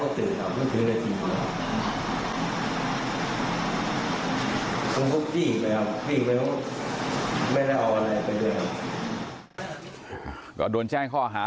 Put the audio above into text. ก็โดนแช่งข้อหาไปนะครับทุกผู้ชมครับ